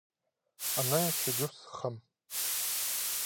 Анаң чӱгӱр сыххам.